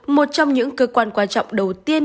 một trong những cơ quan quan trọng đầu tiên